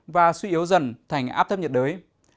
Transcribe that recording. và suy yếu dần thành áp thấp nhiệt đới